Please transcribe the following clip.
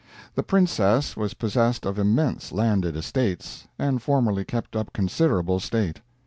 The Princess was possessed of immense landed estates, and formerly kept up considerable state.